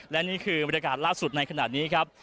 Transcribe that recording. และนี่คือบรรยากาศล่าสุดในขณะนี้ครับ